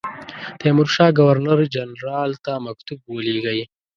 تیمورشاه ګورنر جنرال ته مکتوب ولېږی.